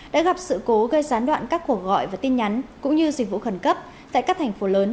đã gặp sự cố gây gián đoạn các cuộc gọi và tin nhắn cũng như dịch vụ khẩn cấp tại các thành phố lớn